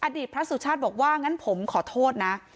อดีตพระสุชาติบอกว่างั้นผมขอโทษนะ